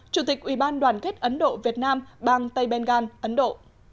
chủ tịch ủy ban đoàn kết ấn độ việt nam bang tây bengal ấn độ